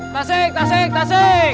tasik tasik tasik